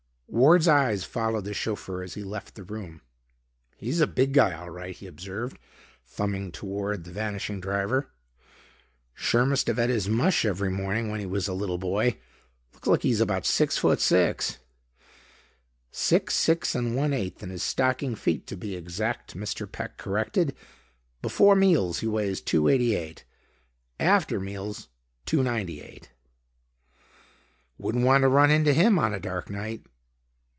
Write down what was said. Ward's eyes followed the chauffeur as he left the room. "He's a big guy all right," he observed, thumbing toward the vanishing driver. "Sure must have et his mush every morning when he was a little boy. Looks like he's about six foot six." "Six, six and one eighth in his stocking feet, to be exact," Mr. Peck corrected. "Before meals he weighs two eighty eight; after meals two ninety eight." "Wouldn't want to run into him on a dark night."